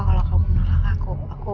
kalau kamu nolak aku